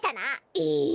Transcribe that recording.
ええ？